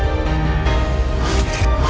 ayo balik lagi ke dokter pak